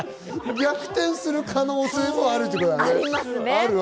逆転する可能性もあるってことだね。